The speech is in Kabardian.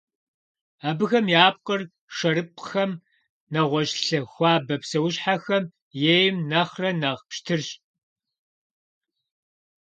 Абыхэм я пкъыр шэрыпӀхэм, нэгъуэщӀ лъы хуабэ псэущхьэхэм ейм нэхърэ нэхъ пщтырщ.